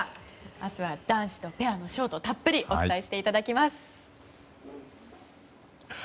明日は男子とペアのショートをたっぷりお伝えしていただきます。